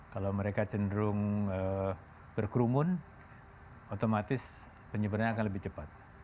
kalau mereka cenderung berkerumun otomatis penyebarannya akan lebih cepat